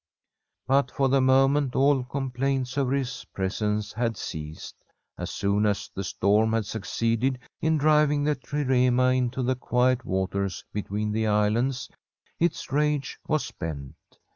But for the moment all complaints over his presence had ceased. As soon as the storm had succeeded in driving the trirema into the quiet waters between the islands, its rage was spent.